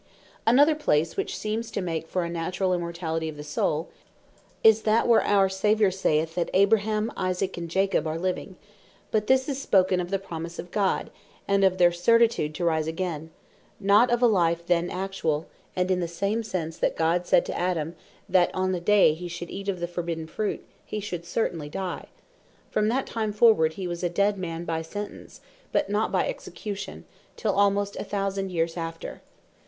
Another place which seems to make for a Naturall Immortality of the Soule, is that, where our Saviour saith, that Abraham, Isaac, and Jacob are living: but this is spoken of the promise of God, and of their certitude to rise again, not of a Life then actuall; and in the same sense that God said to Adam, that on the day hee should eate of the forbidden fruit, he should certainly die; from that time forward he was a dead man by sentence; but not by execution, till almost a thousand years after.